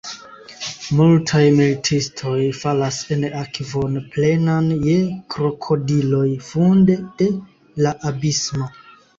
Multaj militistoj falas en akvon plenan je krokodiloj funde de la abismo.